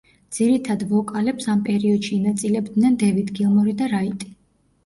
ძირითად ვოკალებს ამ პერიოდში ინაწილებდნენ დევიდ გილმორი და რაიტი.